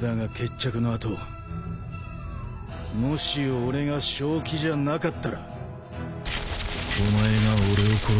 だが決着の後もし俺が正気じゃなかったらお前が俺を殺せ。